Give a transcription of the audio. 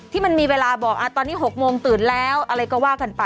มันมีเวลาบอกตอนนี้๖โมงตื่นแล้วอะไรก็ว่ากันไป